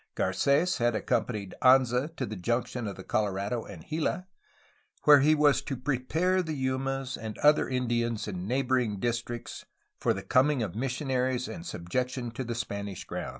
Garces had accompanied Anza to the junction of the Colorado and Gila, where he was to prepare the Yumas and other Indians in neighboring districts for the coming of missionaries and subjection to the Spanish crown.